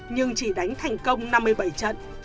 nhưng chỉ đánh thành công năm mươi bảy trận